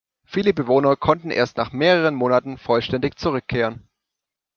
Viele Bewohner konnten erst nach mehreren Monaten vollständig zurückkehren.